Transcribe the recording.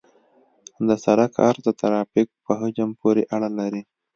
د سرک عرض د ترافیک په حجم پورې اړه لري